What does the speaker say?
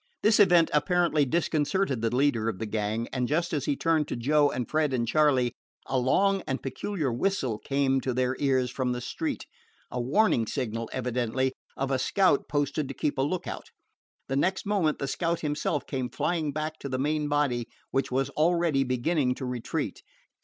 This event apparently disconcerted the leader of the gang, and just as he turned to Joe and Fred and Charley, a long and peculiar whistle came to their ears from the street the warning signal, evidently, of a scout posted to keep a lookout. The next moment the scout himself came flying back to the main body, which was already beginning to retreat.